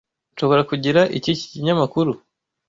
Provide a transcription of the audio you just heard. Nshobora kugira iki kinyamakuru?